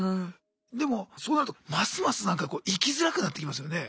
でもそうなるとますますなんかこう生きづらくなってきますよね？